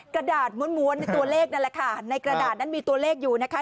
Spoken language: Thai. กระดาษม้วนในตัวเลขนั่นแหละค่ะในกระดาษนั้นมีตัวเลขอยู่นะคะ